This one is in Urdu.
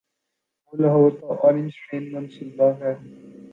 وہ لاہور کا اورنج ٹرین منصوبہ ہے۔